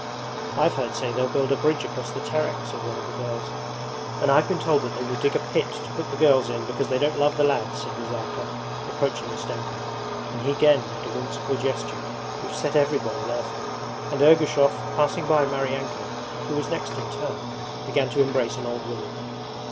'I've heard say they'll build a bridge across the Terek,' said one of the girls. 'And I've been told that they will dig a pit to put the girls in because they don't love the lads,' said Nazarka, approaching Ustenka; and he again made a whimsical gesture which set everybody laughing, and Ergushov, passing by Maryanka, who was next in turn, began to embrace an old woman.